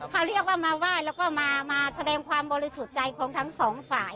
เขาเรียกว่ามาไหว้แล้วก็มาแสดงความบริสุทธิ์ใจของทั้งสองฝ่าย